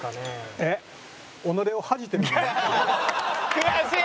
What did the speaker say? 悔しい！